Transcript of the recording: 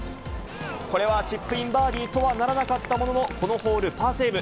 これはチップインバーディーとはならなかったものの、このホール、パーセーブ。